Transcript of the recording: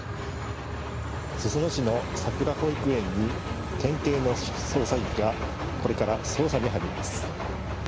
裾野市のさくら保育園に県警の捜査員がこれから捜査に入ります。